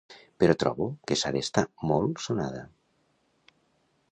Però trobo que s'ha d'estar molt sonada.